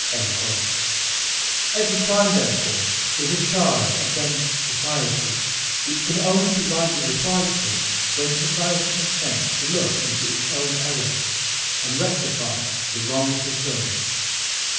Every crime, therefore, is a charge against society which can only be rightly replied to when society con sents to look into its own errors and rectify the wrong it has done.